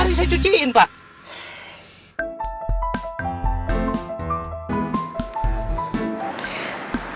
jadi saya cuciin pak